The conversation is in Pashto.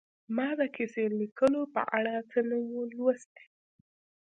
ما د کیسه لیکلو په اړه څه نه وو لوستي